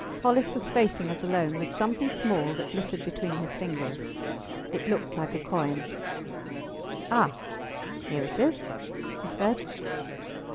Hollis was facing us alone with something small that glittered between his fingers. It looked like a coin. Ah! here it is, he said.